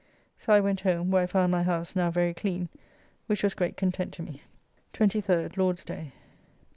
So I went home, where I found my house now very clean, which was great content to me. 23rd (Lord's day).